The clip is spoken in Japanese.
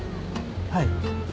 はい。